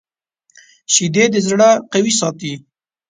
شیدې د زړه قوي ساتي